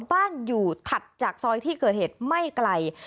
บ้านอยู่ถัดจากซอยที่เกิดเหตุไม่ไกล